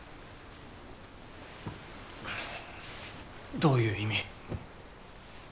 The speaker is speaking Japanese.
どういう意味？